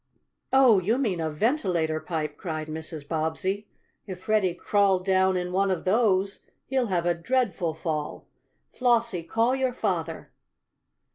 "Oh, you mean a ventilator pipe!" cried Mrs. Bobbsey. "If Freddie crawled down in one of those he'll have a dreadful fall! Flossie, call your father!"